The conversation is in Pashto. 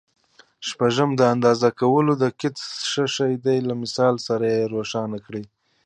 شپږم: د اندازه کولو دقت څه شی دی؟ له مثال سره یې روښانه کړئ.